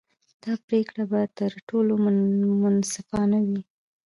دا پرېکړه به تر ټولو منصفانه وي.